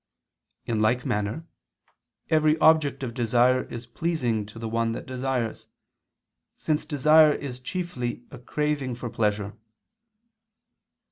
In like manner every object of desire is pleasing to the one that desires, since desire is chiefly a craving for pleasure.